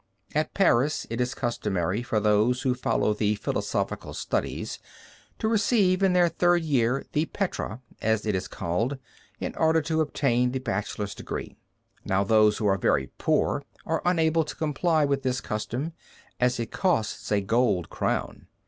At Paris it is customary for those who follow the philosophical studies to receive in their third year the Petra, as it is called, in order to obtain the bachelor's degree. Now those who are very poor are unable to comply with this custom, as it costs a gold crown.